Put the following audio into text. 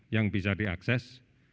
yang bisa diakses